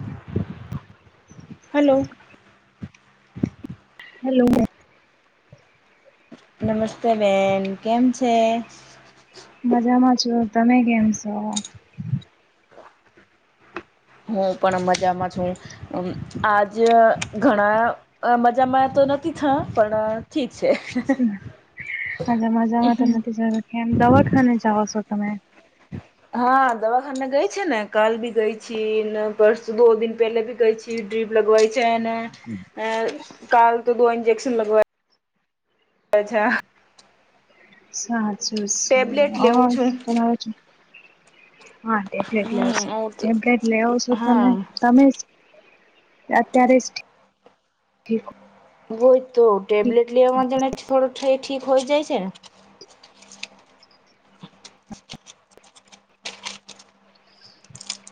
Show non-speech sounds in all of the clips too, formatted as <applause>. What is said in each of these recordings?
<inaudible> Hello <inaudible> hello નમસ્તે બેન કેમ છે? મજામાં છો તમે કેમ છો? હું પણ મજામાં છું આજે ઘણા મજામાં તો નથી પણ ઠીક છે. હજા મજામાં તો હમ નથી સારું કેમ દવાખાને જાઓ છો તમે હા દવાખાને ગઈને કાલ ભી ગઈ છે ને પરસુ દોની પહેલે ભી ગઈ છે. ડ્રીપ લગવાઈ છે ને અ કાલ તો દો ન્જેક્શન લગવા અચ્છા. ટેબ્લેટ લેવું છું <inaudible> હા ટેબલેટ લો છો હમ ટેબલેટ લેવ છો તમે હા તમે અત્યારે જ હોય તો ટેબ્લેટ લેવામાં જણે થોડો એ ઠીક હોય જાય છે ને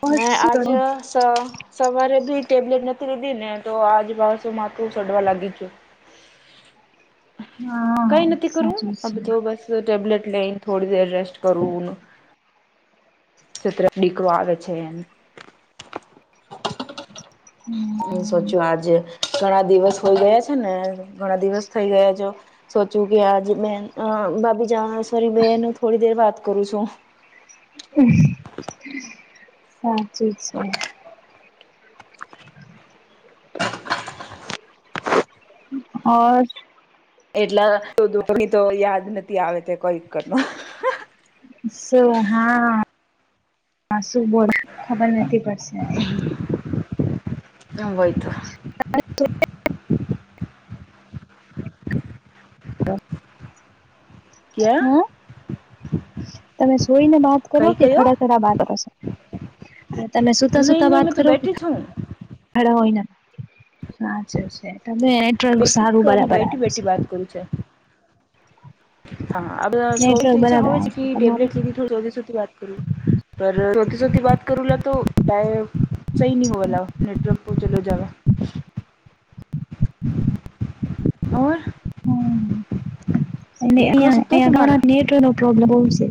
ઓર ને શું આજ કરો? સ સવારેબી ટેબલેટ નથી લીધી ને તો આજ પાછુ માથું ચઢવા લાગી ગયું છે હા કઈ નથી કરું સાચું અ છે તો બસ ટેબલેટ લેઈન થોડી વાર રેસ્ટ કરો <inaudible> <inaudible> આવે છે એમ હમ. હ સોચ્યું આજે ઘણા દિવસ હોય ગયા છે ને ઘણા દિવસ થઈ ગયા છો. સોચું કે આજ બે <unintelligible> જ સોરી બેન થોડી દેર વાત કરું છું. સાચી છે <unintelligible> એટલા <unintelligible> તો યાદ નથી આવે તે કોઈ વટ હા શું બોલ ખબર નથી પડશે <unintelligible> <inaudible> હ ક્યાં તમે સોઈને બાત કરો કઈ કે કયો ખડા ખડા બાત કરશો હા તમે સુતા નહી સુતા નહી વાત મેં તો કરો કે બેઠી છું. હોય સાચ છે તને <unintelligible> બેઠી સારું કરી બરાબર આવે છે <unintelligible> ઈચ્છા છે નેટવર્ક બરાબર હો છે આવે તમારે ટેબલેટ લીધી થો સોતી સોતી વાત કરું પર સોતી સોતી વાત કરું લા તો ટાયર સહી નહી <unintelligible> લાવ નેટવર્ક તો ચાલ્યો હવે અને અં સુતો અયા ગણા તમારા નેટવર્ નો પ્રોબ્લેમ બવુ છે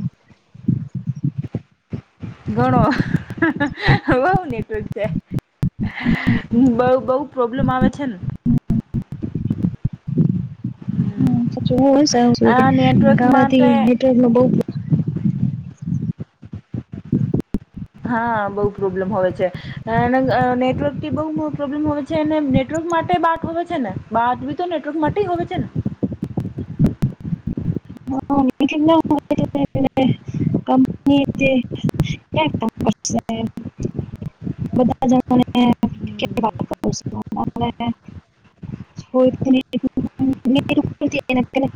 ઘણો નેટવર્ક છે બ બઉ પ્રોબ્લેમ આવે છેને હમ માટે <unintelligible> નેટવર્કમાં બહુ હા બઉ પ્રોબ્લેમ હોય છે અને નેટવર્કથી બહુ પ્રોબ્લેમ હોય છે છે ને નેટવર્ક માટે બાટ હોય છે ને બાદ બી તો નેટવર્ક માટે હોય છે ને <inaudible> ની <unintelligible> <inaudible> બધા જણને <unintelligible> <unintelligible>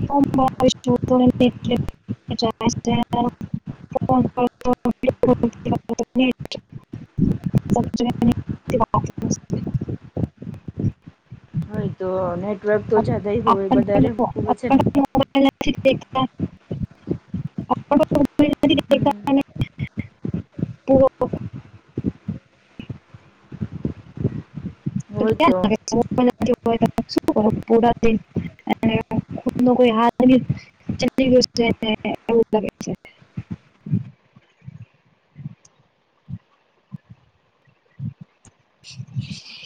<unintelligible> <unintelligible> <unintelligible> હય તો નેટવર્ક તો જદાય આપ- હોય આપણ પણ વધારે મો- છે ને <unintelligible> હમ <unintelligible> હોય તો <unintelligible> <unintelligible> <inaudible>